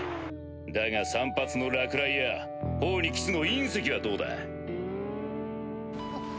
だが散髪の落雷や頬にキスの隕石はどうだ？あっ。